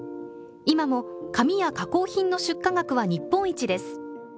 今も、紙や加工品の出荷額は日本一です。